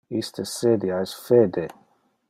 Iste sedia es fede.